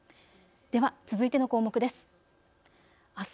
では続いての項目です。